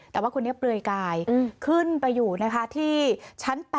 แต่ว่าคนนี้เปลือยกายขึ้นไปอยู่นะคะที่ชั้น๘